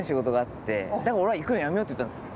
だから俺は行くのやめようっつったんです。